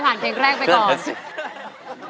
เพราะจราวนี้ครับคุณเอาไปแก้ปอดสอบ